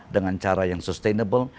dengan cara yang sustainable